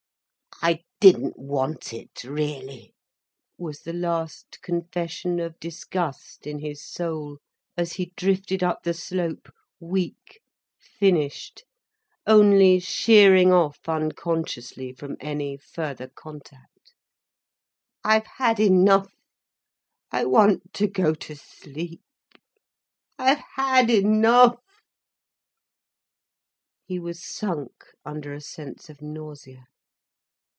"I didn't want it, really," was the last confession of disgust in his soul, as he drifted up the slope, weak, finished, only sheering off unconsciously from any further contact. "I've had enough—I want to go to sleep. I've had enough." He was sunk under a sense of nausea.